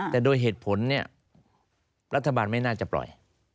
แต่โดยเหตุผลเนี่ยรัฐบาลไม่น่าจะปล่อย